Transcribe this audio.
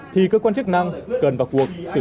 thì cơ quan chức năng cần vào cuộc xử lý